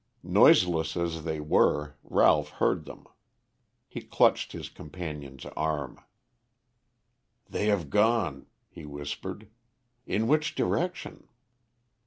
Noiseless as they were, Ralph heard them. He clutched his companion's arm. "They have gone," he whispered. "In which direction?"